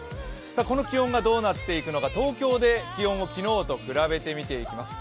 この気温がどうなっていくのか東京で気温を昨日と比べて見てみます。